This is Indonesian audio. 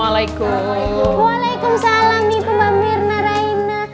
waalaikumsalam ibu mbak mirna raina